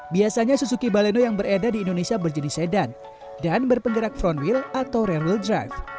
biasanya suzuki baleno yang bereda di indonesia berjenis sedan dan berpenggerak front wheel atau rear wheel drive